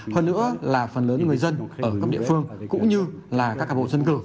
hơn nữa là phần lớn người dân ở cấp địa phương cũng như là các bộ dân cử